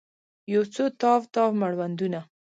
یوڅو تاو، تاو مړوندونه